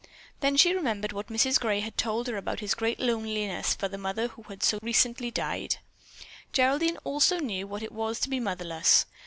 Then she remembered what Mrs. Gray had told her about his great loneliness for the mother who had so recently died. Geraldine also knew what it was to be motherless.